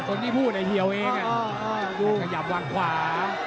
คนที่พูดไอ้เหี่ยวเองขยับวางขวา